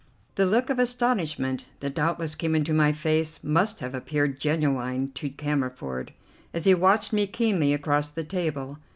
The look of astonishment that doubtless came into my face must have appeared genuine to Cammerford as he watched me keenly across the table.